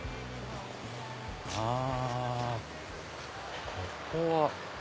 あここは。